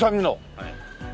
はい。